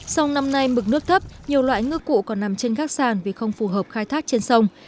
sông năm nay mức nước thấp nhiều loại ngư cụ còn nằm trên gác sản vì không phù hợp khai thác trên sông